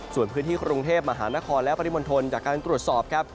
ส่วนพื้นที่กรุงเทพมหานครและปริมณฑลจากการตรวจสอบครับ